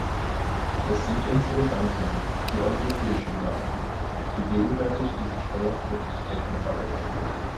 Es sind unsere Banken, die europäischen Banken, die gegenwärtig diese Steuerflucht decken.